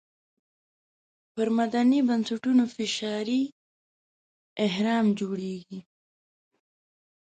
پر مدني بنسټونو فشاري اهرم جوړېږي.